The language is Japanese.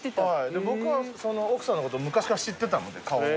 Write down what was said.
で僕は奥さんのことを昔から知ってたので顔を。